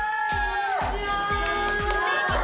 こんにちは。